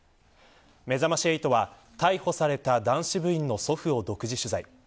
めざまし８は逮捕された男子部員の祖父を独自取材。